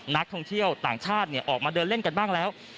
นักท่องเที่ยวต่างชาติออกมาเดินเล่นกันบ้างแล้ว